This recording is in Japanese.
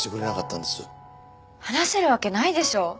話せるわけないでしょう？